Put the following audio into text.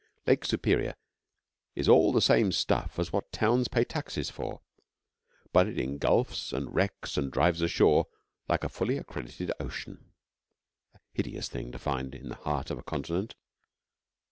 Lake Superior is all the same stuff as what towns pay taxes for, but it engulfs and wrecks and drives ashore, like a fully accredited ocean a hideous thing to find in the heart of a continent.